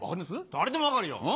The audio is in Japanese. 誰でも分かるよ